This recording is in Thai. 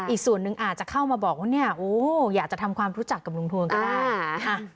อีกส่วนหนึ่งอาจจะเข้ามาบอกว่าเนี่ยโอ้อยากจะทำความรู้จักกับลุงทวนก็ได้